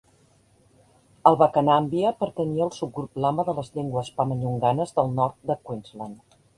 El bakanambia pertanyia al subgrup lama de les llengües pama-nyunganes del nord de Queensland.